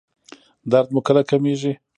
درد مو کله کمیږي؟